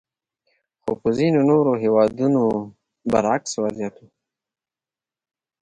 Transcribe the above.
خو په ځینو نورو هېوادونو برعکس وضعیت وو.